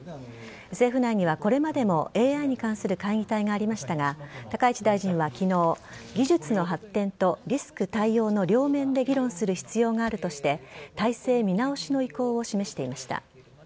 政府内にはこれまでもＡＩに関する会議体がありましたが高市大臣は昨日技術の発展とリスク対応の両面で議論する必要があるとして体制見直しの意向を示していました。